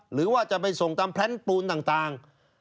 หรือว่าจะไปส่งตามแพลนปูนต่าง